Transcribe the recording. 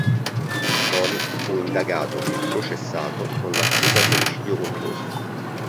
Boni fu indagato e processato con l'accusa di omicidio colposo.